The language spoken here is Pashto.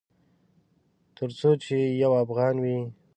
ترڅو چې یو افغان وي